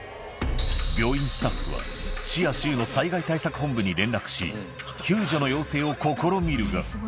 病院スタッフは市や州の災害対策本部に連絡し、救助の要請を試み